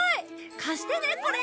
貸してねこれ。